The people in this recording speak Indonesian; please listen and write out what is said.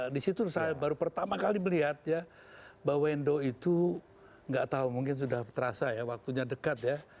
di situ saya baru pertama kali melihat ya bahwa wendo itu nggak tahu mungkin sudah terasa ya waktunya dekat ya